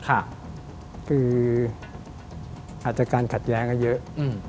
อาจจะใช้งานขัดแย้งก็เยอะ